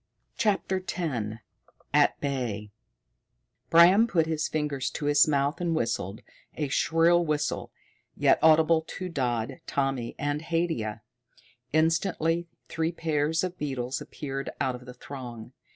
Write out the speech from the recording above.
CHAPTER X At Bay Bram put his fingers to his mouth and whistled, a shrill whistle, yet audible to Dodd, Tommy, and Haidia. Instantly three pairs of beetles appeared out of the throng.